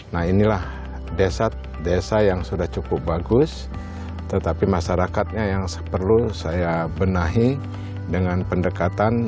nah inilah desa yang sudah cukup bagus tetapi masyarakatnya yang perlu saya benahi dengan pendekatan